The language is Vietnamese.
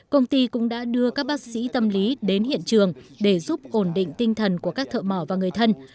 công ty cũng đã đưa các bác sĩ tâm lý đến hiện trường để giúp ổn định tinh thần của các thợ mỏ và người thân